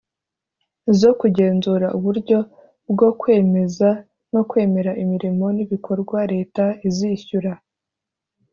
zo kugenzura uburyo bwo kwemeza no kwemera imirimo n'ibikorwa leta izishyura.